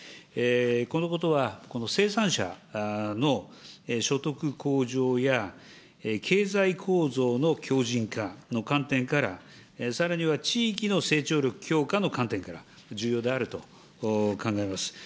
このことは生産者の所得向上や、経済構造の強じん化の観点から、さらには地域の成長力強化の観点から重要であると考えます。